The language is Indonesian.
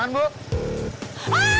aku mau ke rumah